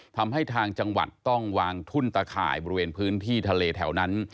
ทางจังหวัดต้องวางทุ่นตะข่ายบริเวณพื้นที่ทะเลแถวนั้น